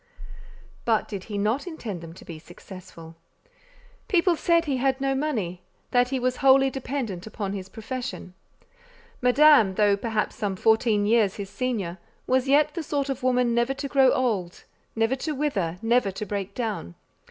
But did he not intend them to be successful? People said he had no money, that he was wholly dependent upon his profession. Madame—though perhaps some fourteen years his senior—was yet the sort of woman never to grow old, never to wither, never to break down.